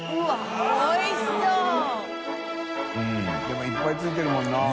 任いっぱいついてるもんな。ねぇ！